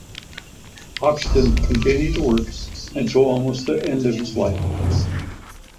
Hodgson continued to work until almost the end of his life.